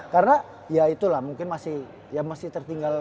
karena ya itulah mungkin masih ya masih tertinggal